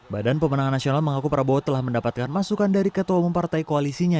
badan pemenangan nasional mengaku prabowo telah mendapatkan masukan dari ketua umum partai koalisinya